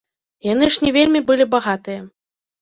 Яны ж не былі вельмі багатыя.